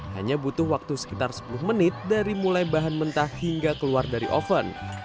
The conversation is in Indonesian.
hanya butuh waktu sekitar sepuluh menit dari mulai bahan mentah hingga keluar dari oven